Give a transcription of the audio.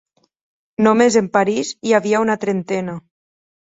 Només en París hi havia una trentena.